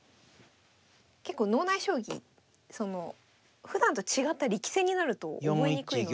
結構脳内将棋ふだんと違った力戦になると覚えにくいので。